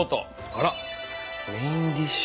あらメインディッシュ。